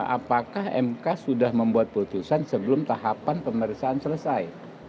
apakah mk sudah membuat putusan sebelum tahapan pemeriksaan selesai